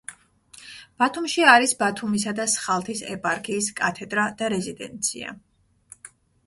ბათუმში არის ბათუმისა და სხალთის ეპარქიის კათედრა და რეზიდენცია.